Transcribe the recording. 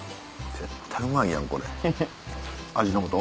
絶対うまいやんこれ味の素？